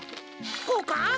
こうか？